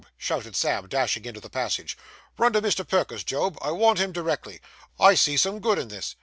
shouted Sam, dashing into the passage. 'Run to Mr. Perker's, Job. I want him directly. I see some good in this.